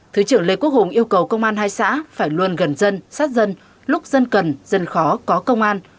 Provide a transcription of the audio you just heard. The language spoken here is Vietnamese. thứ trưởng lê quốc hùng yêu cầu công an hai xã phải luôn gần dân sát dân lúc dân cần dân khó có công an